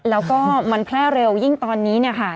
แล้วก็มันแพร่เร็วยิ่งตอนนี้เนี่ยค่ะ